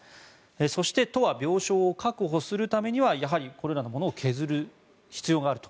そして都は病床を確保するためにはやはりこれらのものを削る必要があると。